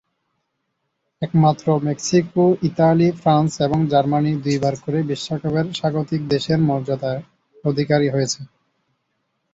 একমাত্র Mexico, Italy, France এবং Germany দুইবার করে বিশ্বকাপের স্বাগতিক দেশের মর্যাদার অধিকারী হয়েছে।